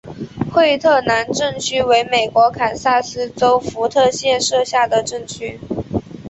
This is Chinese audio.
惠特兰镇区为美国堪萨斯州福特县辖下的镇区。